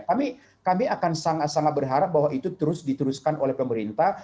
kami akan sangat sangat berharap bahwa itu terus diteruskan oleh pemerintah